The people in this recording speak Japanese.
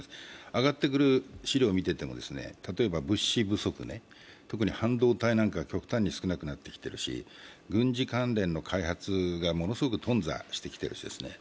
上がってくる資料を見ても物資不足、特に半導体なんかは極端に少なくなってきているし軍事関連の開発がものすごく頓挫してきているんですね。